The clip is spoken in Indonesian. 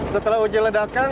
setelah uji ledakan